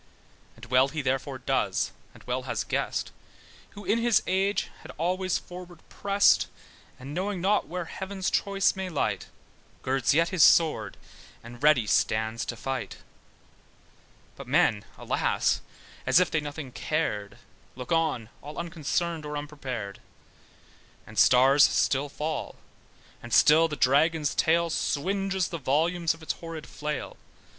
And well he therefore does, and well has guessed, Who in his age has always forward pressed: And knowing not where heaven's choice may light, Girds yet his sword, and ready stand to fight; But men, alas, as if they nothing cared, Look on, all unconcerned, or unprepared; And stars still fall, and still the dragon's tail Swinges the volumes of its horrid flail.